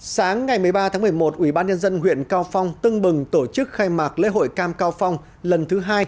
sáng ngày một mươi ba tháng một mươi một ubnd huyện cao phong tưng bừng tổ chức khai mạc lễ hội cam cao phong lần thứ hai